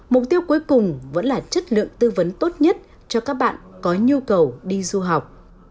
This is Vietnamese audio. mục tiêu cuối cùng vẫn là chất lượng tư vấn tốt nhất cho các bạn có nhu cầu đi du học